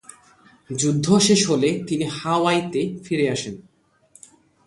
যুদ্ধ শেষ হলে তিনি হাওয়াইতে ফিরে আসেন।